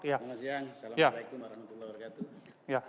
selamat siang assalamualaikum wr wb